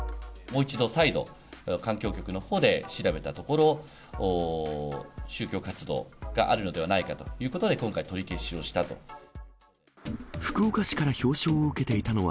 もう一度、再度、環境局のほうで調べたところ、宗教活動があるのではないかということで、今回、取り消しをしたと。